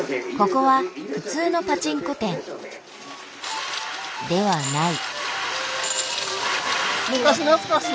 ここは普通のパチンコ店ではない。